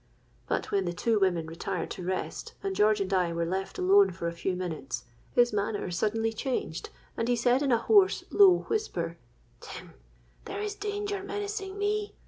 But, when the two women retired to rest, and George and I were left alone for a few minutes, his manner suddenly changed, as he said in a hoarse, low whisper, 'Tim, there is danger menacing me.